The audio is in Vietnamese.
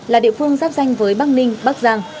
là địa phương giáp danh với bắc ninh bắc giang